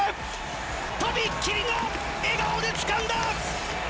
とびきりの笑顔でつかんだ！